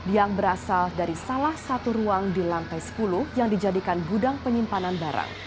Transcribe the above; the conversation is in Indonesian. yang berasal dari salah satu ruang di lantai sepuluh yang dijadikan gudang penyimpanan barang